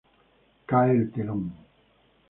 Cae el telón.